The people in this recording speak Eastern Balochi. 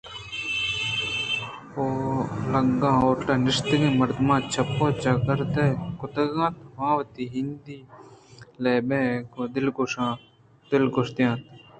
اولگا ہوٹل ءِ نشتگیں مردماں چپ ءُ چاگردکُتگ اَت ءُآ وتی ہندی لیبے ءَ گوں دلگوش اِت اَنت